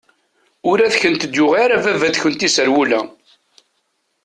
Ur awent-d-yuɣ ara baba-tkent iserwula.